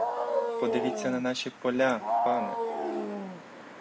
Подивіться на наші поля, пане!